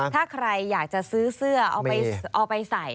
ถ้าใครอยากจะซื้อเสื้อเอาไปใส่